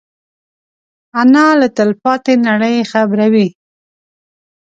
انا له تلپاتې نړۍ خبروي